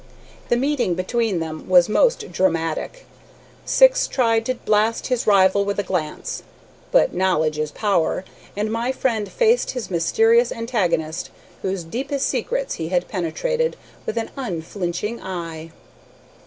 The meeting between them was most dramatic. Syx tried to blast his rival with a glance, but knowledge is power, and my friend faced his mysterious antagonist, whose deepest secrets he had penetrated, with an unflinching eye.